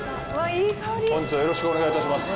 いい香り本日はよろしくお願いいたします